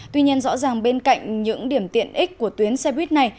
tuy nhiên rõ ràng bên cạnh những điểm tiện ích của tuyến xe buýt này